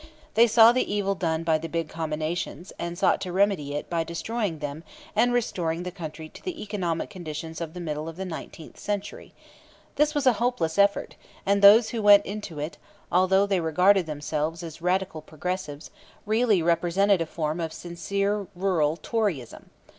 They saw the evil done by the big combinations, and sought to remedy it by destroying them and restoring the country to the economic conditions of the middle of the nineteenth century. This was a hopeless effort, and those who went into it, although they regarded themselves as radical progressives, really represented a form of sincere rural toryism.